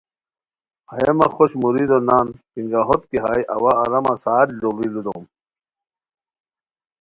ہیہ مہ خوش مریدو نان پینگاہوت کی ہائے اوا آرامہ ساعت لوڑی لودوم